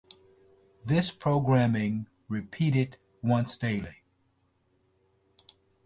This programming repeated once daily.